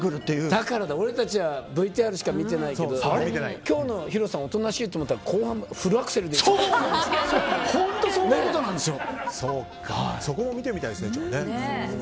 だからだ、俺たちはＶＴＲしか見てないけど今日のヒロさんおとなしいと思ったらそこも見てみたいですね。